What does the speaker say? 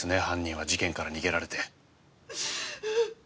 犯人は事件から逃げられて。